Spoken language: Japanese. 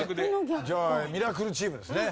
じゃあミラクルチームですね。